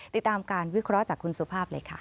ติดตามการวิเคราะห์จากคุณสุภาพเลยค่ะ